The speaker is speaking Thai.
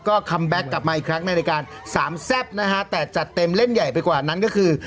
ก็คัมแบ็คกลับมาอีกครั้งในรายการสามแซ่บนะฮะแต่จัดเต็มเล่มใหญ่ไปกว่านั้นก็คือ